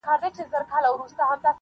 ځينې خلک د پېښې په اړه دعاوې کوي خاموش,